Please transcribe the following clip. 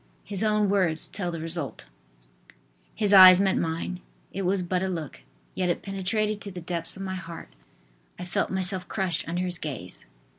His own words tell the result: "His eyes met mine. It was but a look, yet it penetrated to the depths of my heart, I felt myself crushed under his gaze."